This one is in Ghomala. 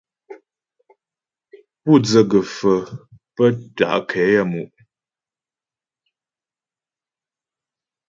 Pú dzə gə̀faə̀ pə́ ta' nkɛ yaə́mu'.